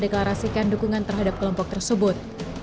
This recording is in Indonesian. paisis aman mendeklarasikan dukungan terhadap kelompok tersebut